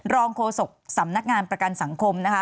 โฆษกสำนักงานประกันสังคมนะคะ